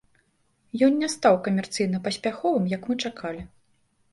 Ён не стаў камерцыйна паспяховым, як мы чакалі.